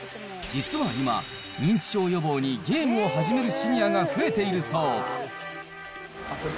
実は今、認知症予防にゲームを始めるシニアが増えているそう。